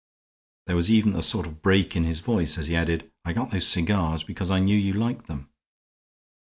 There was even a sort of break in his voice as he added, "I got those cigars because I knew you liked them."